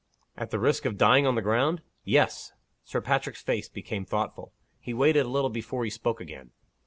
"At the risk of dying on the ground?" "Yes." Sir Patrick's face became thoughtful. He waited a little before he spoke again.